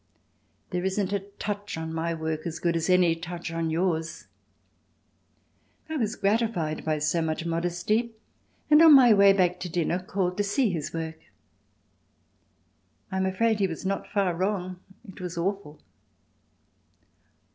There isn't a touch on my work as good as any touch on yours." I was gratified by so much modesty and, on my way back to dinner, called to see his work. I am afraid that he was not far wrong—it was awful.